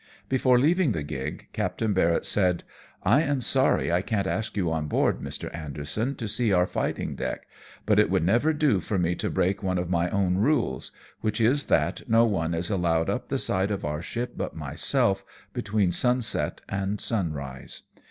Before leaving the gig. Captain Barrett said, " I am sorry I can't ask you on board, Mr. Anderson, to see our fighting deck ; but it would never do for me to break one of my own rules, which is that no one is allowed up the side of our ship but myself, between sunset and sunrise.